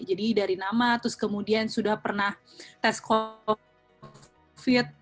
jadi dari nama terus kemudian sudah pernah tes covid